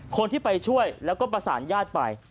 คนที่ไปช่วยแล้วก็ประสานญาติไป